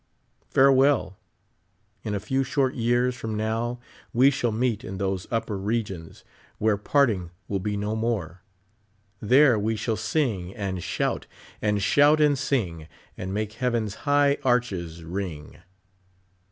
Far(^well I In a few short years from now we shall meet iti lliose upper regions where parting will be no more. Tliere we sliall sing and shout, and shout and sing, and niMke lieaven's high arches ring.